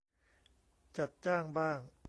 จัดจ้างบ้าง